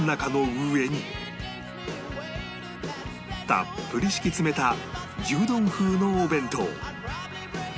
たっぷり敷き詰めた牛丼風のお弁当